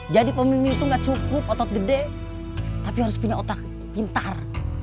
jadi pemimpin itu gak cukup otot gede tapi harus punya otak pintar